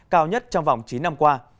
cao nhất trong vòng chín năm qua